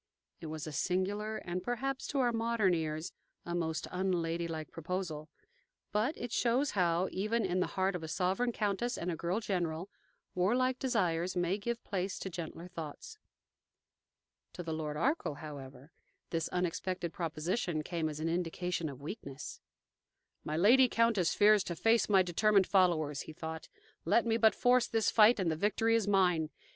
'" It was a singular, and perhaps, to our modern ears, a most unladylike proposal; but it shows how, even in the heart of a sovereign countess and a girl general, warlike desires may give place to gentler thoughts. To the Lord Arkell, however, this unexpected proposition came as an indication of weakness. "My lady countess fears to face my determined followers," he thought. "Let me but force this fight and the victory is mine.